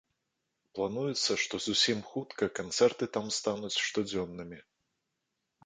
Плануецца, што зусім хутка канцэрты там стануць штодзённымі.